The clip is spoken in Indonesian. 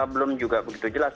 belum juga begitu jelas